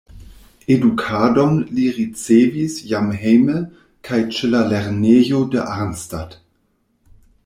Edukadon li ricevis jam hejme kaj ĉe la lernejo de Arnstadt.